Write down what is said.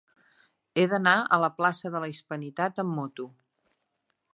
He d'anar a la plaça de la Hispanitat amb moto.